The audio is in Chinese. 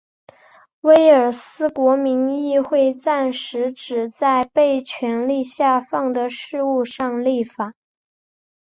威尔斯国民议会暂时只在被权力下放的事务上立法。